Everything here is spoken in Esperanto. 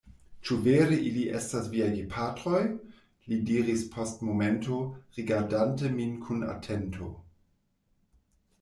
Ĉu vere ili estas viaj gepatroj? li diris post momento, rigardante min kun atento.